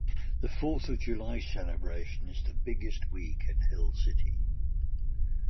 The Fourth of July celebration is the biggest week in Hill City.